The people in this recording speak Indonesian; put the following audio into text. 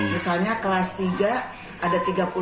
misalnya kelas tiga ada tiga puluh